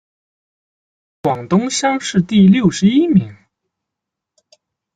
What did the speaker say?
广东乡试第六十一名。